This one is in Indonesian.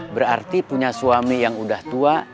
berarti punya suami yang udah tua